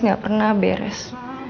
gak pernah beres